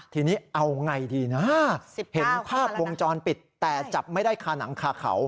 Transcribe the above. ทีนี้เอาไงดีนะเห็นภาพวงจรปิดแต่จับไม่ได้คาหนังคาเขา